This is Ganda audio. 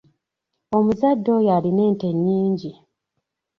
Omuzadde oyo alina ente nnyingi.